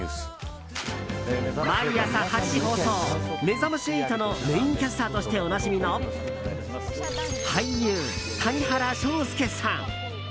毎朝８時放送「めざまし８」のメインキャスターとしておなじみの俳優・谷原章介さん。